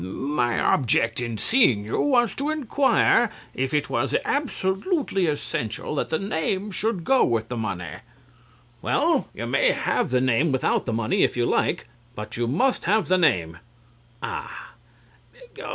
My object in seeing you was to inquire if it was absolutely essential that the name should go with the money. CLIFTON. Well (thoughtfully), you may have the name without the money if you like. But you must have the name. CRAWSHAW (disappointed). Ah!